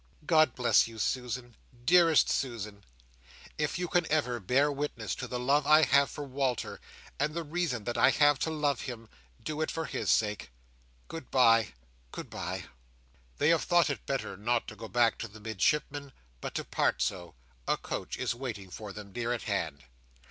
"God bless you, Susan; dearest Susan! If you ever can bear witness to the love I have for Walter, and the reason that I have to love him, do it for his sake. Good bye! Good bye!" They have thought it better not to go back to the Midshipman, but to part so; a coach is waiting for them, near at hand.